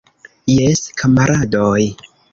Jes, kamaradoj!